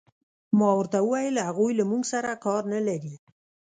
ما ورته وویل: هغوی له موږ سره کار نه لري.